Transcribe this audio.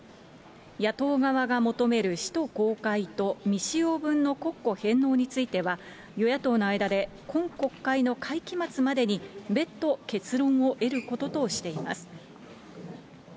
野党側が求める使途公開と未使用分の国庫返納については、与野党の間で今国会の間の会期末までに別途結論を得ることとしています。